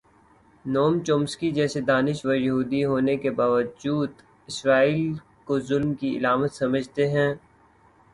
نوم چومسکی جیسے دانش وریہودی ہونے کے باوجود اسرائیل کو ظلم کی علامت سمجھتے ہیں۔